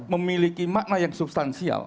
memiliki makna yang substansial